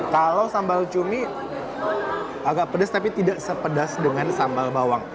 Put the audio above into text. kalau sambal cumi agak pedas tapi tidak sepedas dengan sambal bawang